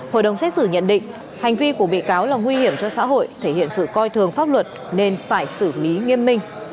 hội đồng xét xử nhận định hành vi của bị cáo là nguy hiểm cho xã hội thể hiện sự coi thường pháp luật nên phải xử lý nghiêm minh